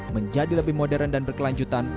menjadi lebih modern dan berkelanjutan